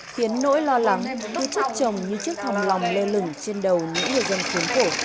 khiến nỗi lo lắng như chất trồng như chiếc thòng lòng lê lửng trên đầu